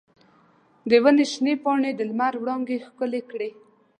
د ونې شنې پاڼې د لمر وړانګې ښکلې کړې.